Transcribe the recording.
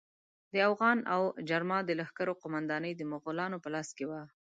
د اوغان او جرما د لښکرو قومانداني د مغولانو په لاس کې وه.